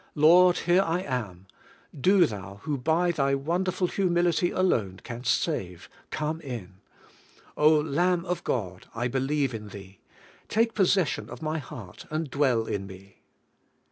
Lord, here I am; do Thou, who by Thy wonderful humility alone canst save, come in. O Lamb of God, I believe in Thee; take possession of my heart, and dwell in me."